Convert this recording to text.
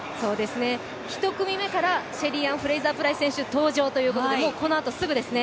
１組目からシェリーアン・フレイザープライス選手が登場ということでもうこのあとすぐですね。